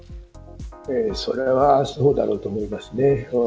それはそうだろうと思います。